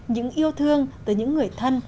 những yêu thương tới những người thân